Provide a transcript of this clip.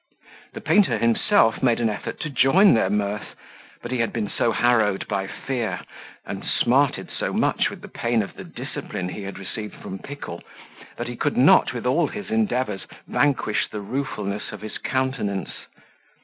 The painter himself made an effort to join their mirth; but he had been so harrowed by fear, and smarted so much with the pain of the discipline he had received from Pickle, that he could not, with all his endeavours, vanquish the ruefulness of his countenance.